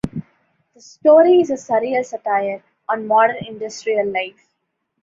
The story is a surreal satire on modern industrial life.